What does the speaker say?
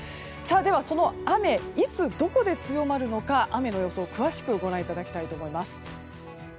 では、その雨いつどこで強まるのか雨の予想を詳しくご覧いただきたいと思います。